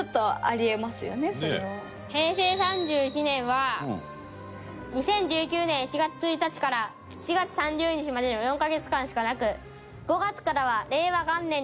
平成３１年は２０１９年１月１日から４月３０日までの４カ月間しかなく５月からは令和元年に変わった年です。